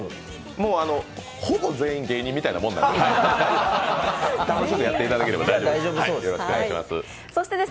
もうほぼ全員芸人みたいなもんなので楽しくやっていただければ大丈夫です。